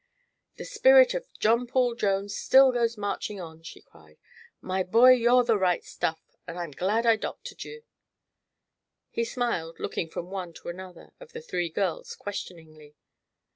"The spirit of John Paul Jones still goes marching on!" she cried. "My boy, you're the right stuff, and I'm glad I doctored you." He smiled, looking from one to another of the three girls questioningly.